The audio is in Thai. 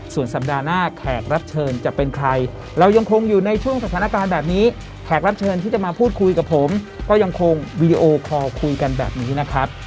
ส่วนสัปดาห์หน้าแขกรับเชิญจะเป็นใครเรายังคงอยู่ในช่วงสถานการณ์แบบนี้แขกรับเชิญที่จะมาพูดคุยกับผมก็ยังคงวีดีโอคอลคุยกันแบบนี้นะครับ